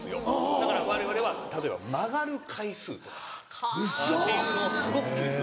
だからわれわれは例えば曲がる回数とかっていうのをすごく気にするんです。